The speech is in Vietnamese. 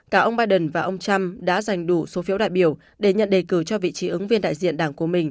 cả ông biden và ông trump đã giành đủ số phiếu đại biểu để nhận đề cử cho vị trí ứng viên đại diện đảng của mình